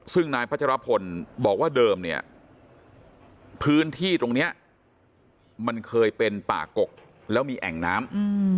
ซึ่งนายพัชรพลบอกว่าเดิมเนี่ยพื้นที่ตรงนี้มันเคยเป็นป่ากกแล้วมีแอ่งน้ำ